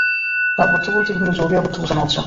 আবদ্ধ বলতে বিভিন্ন যৌগে আবদ্ধ বোঝানো হচ্ছে।